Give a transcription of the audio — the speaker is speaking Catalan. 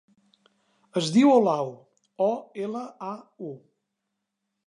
Es diu Olau: o, ela, a, u.